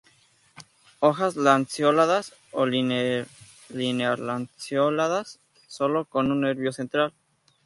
Hojas lanceoladas o linear-lanceoladas, sólo con un nervio central.